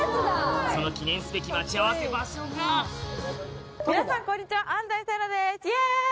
その記念すべき待ち合わせ場所が皆さんこんにちは安斉星来です。